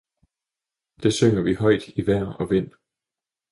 Det synger vi højt i vejr og vind!